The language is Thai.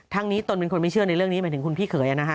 นี้ตนเป็นคนไม่เชื่อในเรื่องนี้หมายถึงคุณพี่เขยนะฮะ